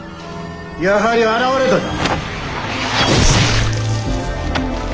やはり現れたか。